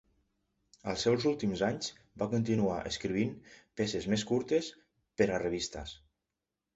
Als seus últims anys, va continuar escrivint peces més curtes per a revistes.